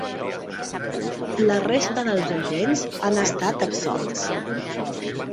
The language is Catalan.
La resta dels agents han estat absolts.